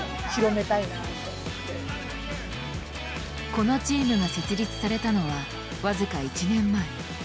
このチームが設立されたのは僅か１年前。